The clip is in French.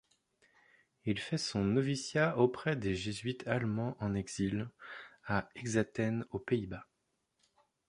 Il fait son noviciat auprès des jésuites allemands en exil, à Exaten, aux Pays-Bas.